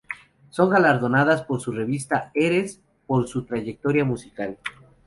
Son galardonadas por la revista "Eres" por su Trayectoria musical.